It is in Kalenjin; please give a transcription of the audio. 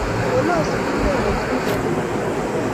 Olosu Ine kotugu n en imanit